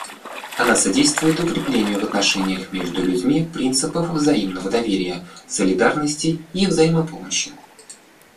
Она содействует укреплению в отношениях между людьми принципов взаимного доверия, солидарности и взаимопомощи.